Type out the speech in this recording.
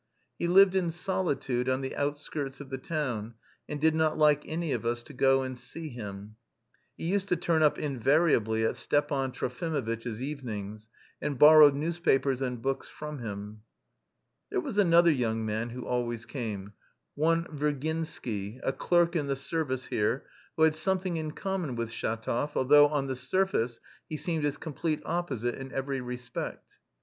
He lived in solitude on the outskirts of the town, and did not like any of us to go and see him. He used to turn up invariably at Stepan Trofimovitch's evenings, and borrowed newspapers and books from him. There was another young man who always came, one Virginsky, a clerk in the service here, who had something in common with Shatov, though on the surface he seemed his complete opposite in every respect.